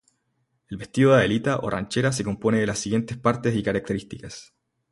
El vestido de Adelita o Ranchera se compone de las siguientes partes y características.